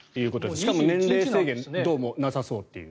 しかも年齢制限はなさそうという。